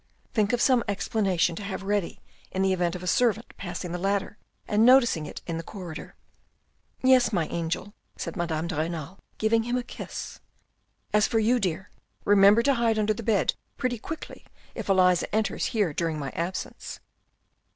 " Think of some explanation to have ready in the event of a servant passing the ladder and noticing it in the corridor." " Yes, my angel," said Madame de Renal giving him a kiss " as for you, dear, remember to hide under the bed pretty quickly if Elisa enters here during my absence."